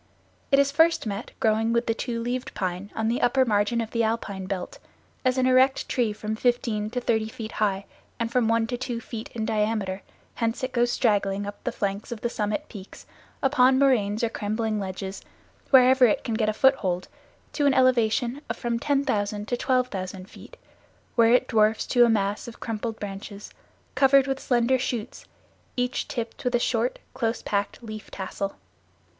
It is first met growing with the two leaved pine on the upper margin of the alpine belt, as an erect tree from fifteen to thirty feet high and from one to two feet in diameter hence it goes straggling up the flanks of the summit peaks, upon moraines or crumbling ledges, wherever it can get a foothold, to an elevation of from 10,000 to 12,000 feet, where it dwarfs to a mass of crumpled branches, covered with slender shoots, each tipped with a short, close packed, leaf tassel.